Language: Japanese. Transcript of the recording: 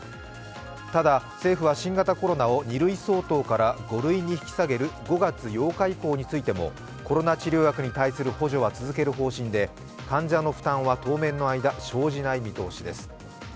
ただ、政府は新型コロナを２類相当から５類に引き下げる５月８日以降についても、コロナ治療薬に対する補助は続ける方針で、患者の負担は当面の間生じない見通しです。